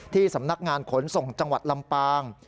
สำนักงานขนส่งจังหวัดลำปาง